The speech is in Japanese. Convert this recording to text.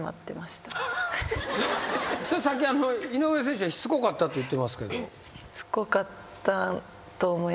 さっき井上選手はしつこかったって言ってますけど。